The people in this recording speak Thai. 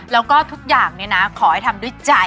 แล้วก็ทุกอย่างเนี่ยนะขอให้ทำด้วยใจ